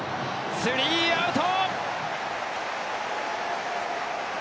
スリーアウト！